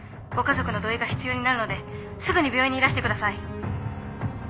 ご家族の同意が必要になるのですぐに病院にいらしてください。